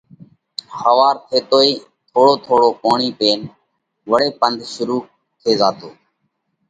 ۿوَار ٿيتئِي تو ٿوڙو ٿوڙو پوڻِي پينَ وۯي پنڌ شرُوع ٿي زاتو۔